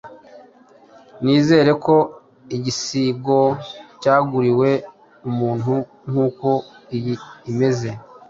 Nizera ko igisigo cyeguriwe umuntu nkuko iyi imeze,